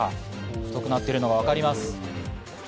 太くなっているのがわかります。